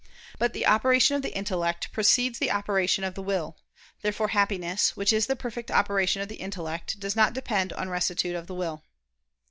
But the operation of the intellect precedes the operation of the will. Therefore Happiness, which is the perfect operation of the intellect, does not depend on rectitude of the will.